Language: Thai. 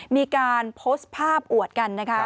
มีการโพสต์ภาพอวดกันนะคะ